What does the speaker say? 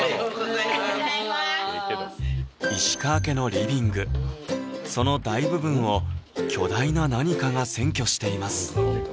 おはようございます石川家のリビングその大部分を巨大な何かが占拠しています